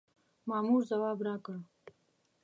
مامور ځواب راکړ.